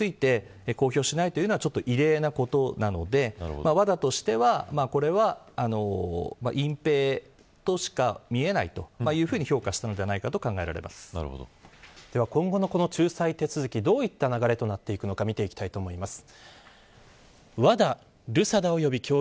一切の手続きの内容についてあるいは調査の内容について公表しないというのはちょっと異例なことなのでＷＡＤＡとしては、これは隠蔽としか見えないというふうに評価したのでは今後の仲裁手続き、どういった流れとなっていくのか見ていきたいと思います。